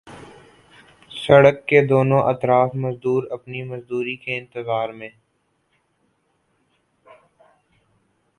سڑک کے دونوں اطراف مزدور اپنی مزدوری کے انتظار میں